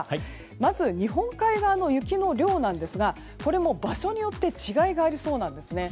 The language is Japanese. まず日本海側の雪の量なんですがこれも場所によって違いがありそうなんですね。